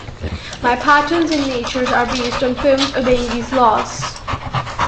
Many patterns in nature are based on foams obeying these laws.